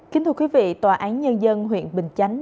kính thưa quý vị tòa án nhân dân huyện bình chánh